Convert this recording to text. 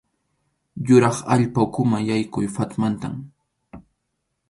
Yurap allpa ukhuman yaykuq phatmantam.